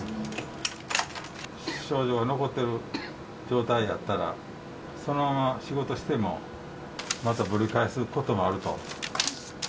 症状が残ってる状態やったら、そのまま仕事しても、またぶり返すこともあると。